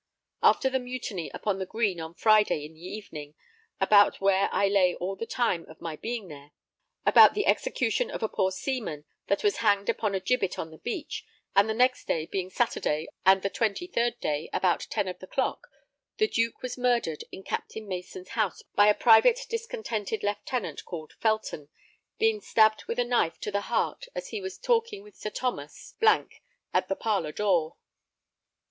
After the mutiny upon the Green on Friday in the evening, about the execution of a poor seaman that was hanged upon a gibbet on the beach, and the next day, being Saturday and the 23rd day, about 10 of the clock, the Duke was murdered in Captain Mason's house by a private discontented lieutenant called Felton, being stabbed with a knife to the heart as he was talking with Sir Thomas (left blank in MS.) at the parlour door.